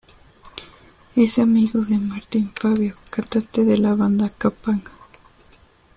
Es amigo de Martín Fabio, cantante de la banda Kapanga.